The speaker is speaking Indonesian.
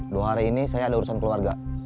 dua hari ini saya ada urusan keluarga